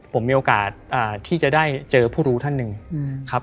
ผมมีโอกาสที่จะได้เจอผู้รู้ท่านหนึ่งครับ